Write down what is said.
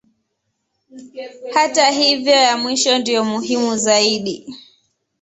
Hata hivyo ya mwisho ndiyo muhimu zaidi.